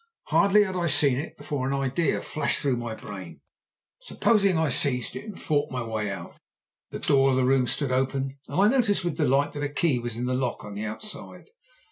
Hardly had I seen it before an idea flashed through my brain. Supposing I seized it and fought my way out. The door of the room stood open, and I noticed with delight that the key was in the lock on the outside.